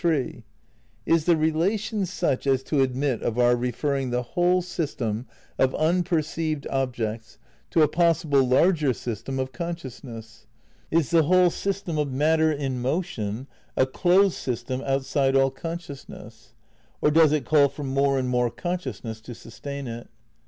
(3) Is the relation such as to admit of our refer ring the whole system of unperceived objects to a pos sible larger system of consciousness ? Is the whole sys IX RECONSTRUCTION OF IDEALISM 289 tern of matter in motion a closed system outside all consciousness ? Or does it call for more and more con sciousness to sustain it?